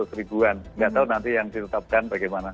tidak tahu nanti yang ditetapkan bagaimana